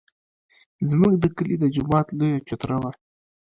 زموږ د کلي د جومات لویه چوتره وه.